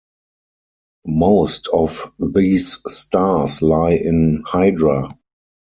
Most of these stars lie in Hydra.